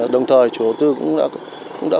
đồng thời chủ tư cũng đã yêu cầu các nhà thầu